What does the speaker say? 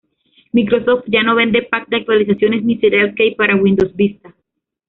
Microsoft ya no vende pack de actualizaciones ni serial key para Windows Vista.